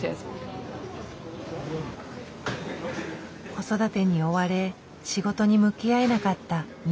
子育てに追われ仕事に向き合えなかった２０３０代。